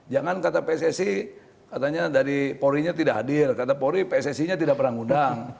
jangan kata pssi katanya dari pori nya tidak hadir kata pori pssi nya tidak perang undang